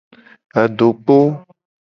Adokpo.